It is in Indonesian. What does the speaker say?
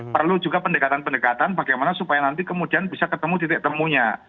perlu juga pendekatan pendekatan bagaimana supaya nanti kemudian bisa ketemu titik temunya